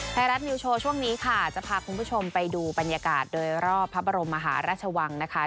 ไทยรัฐนิวโชว์ช่วงนี้ค่ะจะพาคุณผู้ชมไปดูบรรยากาศโดยรอบพระบรมมหาราชวังนะคะ